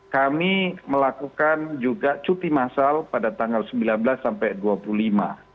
kami melakukan juga cuti masal pada tanggal sembilan belas sampai dua puluh lima